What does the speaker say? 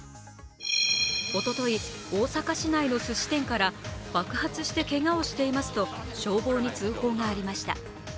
おととい、大阪市内のすし店から爆発してけがをしていますと消防に通報がありました。